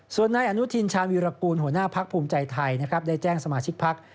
ส่วนนายอชวิรกูลหัวหน้าภักษ์ภูมิใจไทยได้แจ้งสมาชิกภักษ์